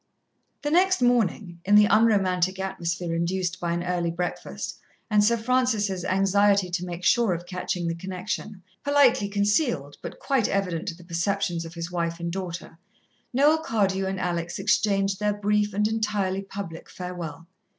The next morning, in the unromantic atmosphere induced by an early breakfast, and Sir Francis' anxiety to make sure of catching the connection, politely concealed, but quite evident to the perceptions of his wife and daughter, Noel Cardew and Alex exchanged their brief and entirely public farewell.